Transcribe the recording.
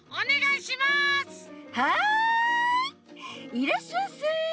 いらっしゃいませ。